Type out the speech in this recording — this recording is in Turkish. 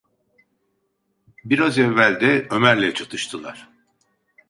Biraz evvel de Ömer’le çatıştılar!